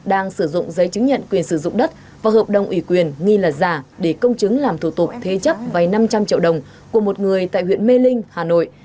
minh đã phát hiện đối tượng dây chứng nhận quyền sử dụng đất và hợp đồng ủy quyền nghi là giả để công chứng làm thủ tục thế chấp vai năm trăm linh triệu đồng của một người tại huyện mê linh hà nội